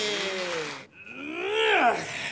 うん。